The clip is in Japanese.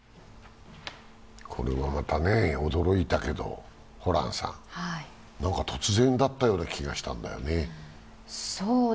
これはまた驚いたけど、突然だったような気がしたんだよね。